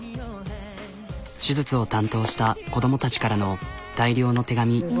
手術を担当した子供たちからの大量の手紙。